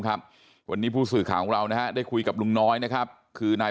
ครับวันนี้ผู้สื่อข่าวของเรานะฮะได้คุยกับลุงน้อยนะครับคือนาย